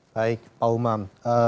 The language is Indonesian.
baik pak umam